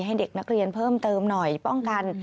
ให้เด็กนักเรียนเพิ่มเติมหน่อยป้องกัน